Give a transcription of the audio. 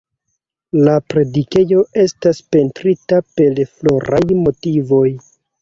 La predikejo estas pentrita per floraj motivoj.